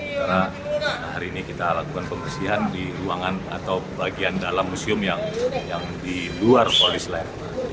karena hari ini kita lakukan pembersihan di ruangan atau bagian dalam museum yang di luar polis lain